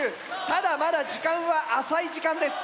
ただまだ時間は浅い時間です。